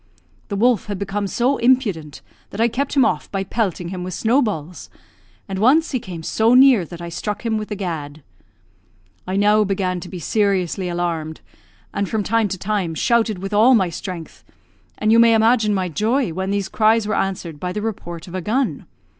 The wolf had become so impudent that I kept him off by pelting him with snowballs; and once he came so near that I struck him with the gad. I now began to be seriously alarmed, and from time to time, shouted with all my strength; and you may imagine my joy when these cries were answered by the report of a gun.